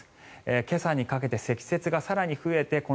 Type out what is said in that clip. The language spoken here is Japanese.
今朝にかけて積雪が更に増えてこの